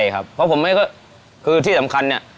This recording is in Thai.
คือที่สำคัญเนี่ย